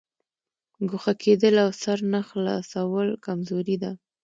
ګوښه کېدل او سر نه خلاصول کمزوري ده.